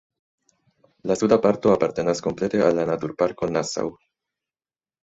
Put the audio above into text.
La suda parto apartenas komplete al la naturparko Nassau.